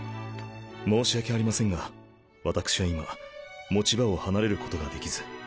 申し訳ありませんが私は今持ち場を離れることができず。